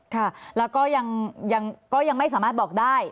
ค่ะแล้วก็ยังไม่สามารถบอกได้